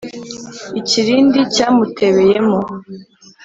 ikirindi cyamutebeye mo